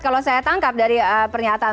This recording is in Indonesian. kalau saya tangkap dari pernyataan